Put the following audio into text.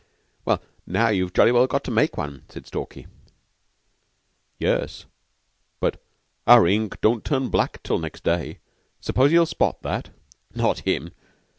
"Now you've jolly well got to make one," said Stalky. "Yes but our ink don't turn black till next day. S'pose he'll spot that?" "Not him.